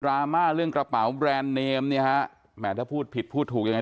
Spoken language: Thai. ราม่าเรื่องกระเป๋าแบรนด์เนมแม่ถ้าพูดผิดพูดถูกอย่างไร